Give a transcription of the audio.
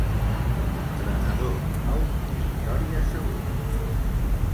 Entrenador nou, victòria segura.